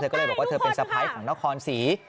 เธอก็เลยบอกว่าเธอเป็นสไพย์ของนัทธรรมน์ศรี